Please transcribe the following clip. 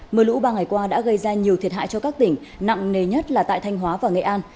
mờ lũ ba ngày qua đã gây ra nhiều thiệt hại cho các tỉnh nặng nề nhất là tại thanh hóa và nghệ an